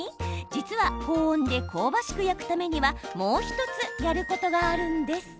実は高温で香ばしく焼くためにはもう１つ、やることがあるんです。